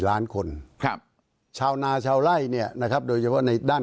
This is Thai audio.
ล้านคนครับชาวนาชาวไล่เนี่ยนะครับโดยเฉพาะในด้าน